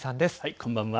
こんばんは。